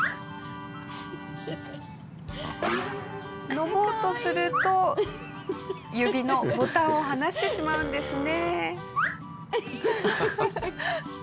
飲もうとすると指のボタンを離してしまうんですね。